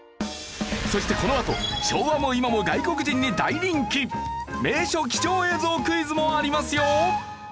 そしてこのあと昭和も今も外国人に大人気名所貴重映像クイズもありますよ。